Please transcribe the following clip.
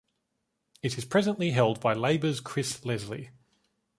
It is presently held by Labour's Chris Leslie.